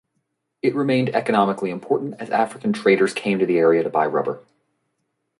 It remained economically important as African traders came to the area to buy rubber.